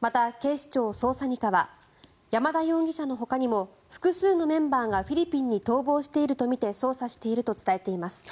また、警視庁捜査２課は山田容疑者のほかにも複数のメンバーがフィリピンに逃亡しているとみて捜査していると伝えています。